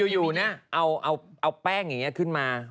อยู่นะเอาแป้งอย่างนี้ขึ้นมา